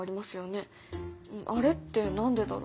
あれって何でだろう？